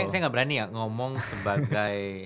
saya nggak berani ya ngomong sebagai